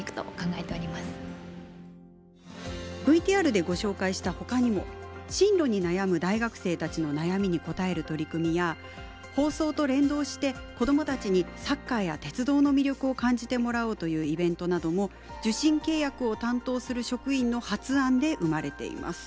ＶＴＲでご紹介したほかにも進路に悩む大学生たちの悩みに応える取り組みや放送と連動して子どもたちにサッカーや鉄道の魅力を感じてもらおうというイベントなども受信契約を担当する職員の発案で生まれています。